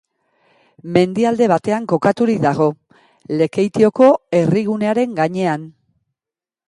Mendialde batean kokaturik dago, Lekeitioko herrigunearen gainean.